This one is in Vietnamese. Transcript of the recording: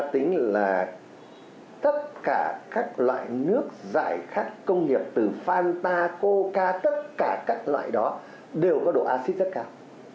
tất cả các loại nước giải khách công nghiệp từ phan ta coca tất cả các loại đó đều có độ acid rất cao